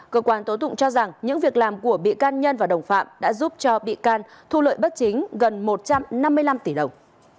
cơ quan tố tụng cho rằng những việc làm của bị can nhân và đồng phạm đã giúp cho bị can thu lợi bất chính gần một trăm năm mươi năm tỷ đồng